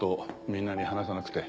みんなに話さなくて。